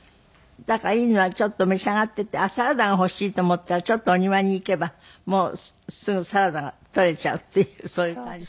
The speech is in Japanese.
だからいいのはちょっと召し上がっていてあっサラダが欲しいと思ったらちょっとお庭に行けばすぐサラダが採れちゃうっていうそういう感じ？